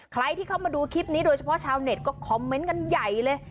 ใครที่เข้ามาดูคลิปนี้โดยเฉพาะชาวเน็ตก็คอมเมนต์กันใหญ่เลย